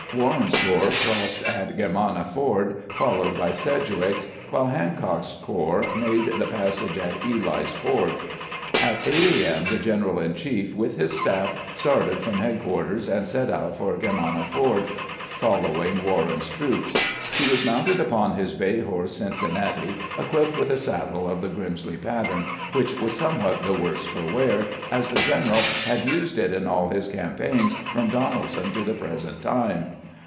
Warren's corps crossed at Grermanna Ford, followed by Sedgwick's, while Han cock's corps made the passage at Ely's Ford. At 8 a. m. the general in chief, with his staff, started from head quarters, and set out for Germanna Ford, following Warren's troops. He was mounted upon his bay horse " Cincinnati," equipped with a saddle of the Grrimsley pattern, which was somewhat the worse for wear, as the general had used it in all his campaigns from Donelson to the present time.